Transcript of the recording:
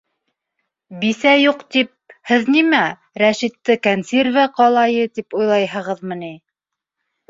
Бисә юҡ, тип, һеҙ нимә, Рәшитте кәнсирвә ҡалайы тип уйлайһығыҙмы ни.